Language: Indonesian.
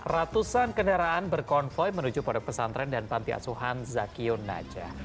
ratusan kendaraan berkonvoy menuju pondok pesantren dan panti asuhan zakiun najah